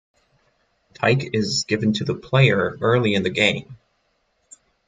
Tyke is given to the player early in the game.